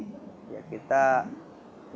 kita membuatnya di kota kota yang terkenal